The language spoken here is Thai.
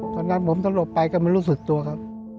ตอนนั้นผมสลบไปก็ไม่รู้สึกตัวครับ